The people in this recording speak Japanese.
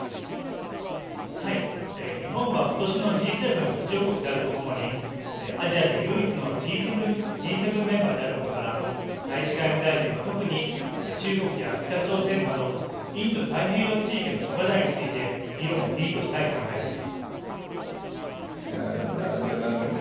日本は今年のＧ７議長国であるとともにアジアで唯一のＧ７メンバーであることから、林外務大臣は特に中国や北朝鮮などインド太平洋地域の諸課題について議論をリードしたい考えです。